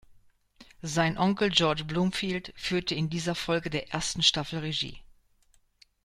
Sein Onkel George Bloomfield führte in dieser Folge der ersten Staffel Regie.